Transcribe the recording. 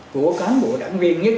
của cán bộ đảng viên nhất